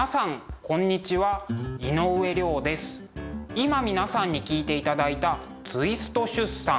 今皆さんに聴いていただいた「ツイスト出産」。